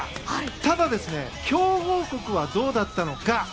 ただ、強豪国はどうだったのか。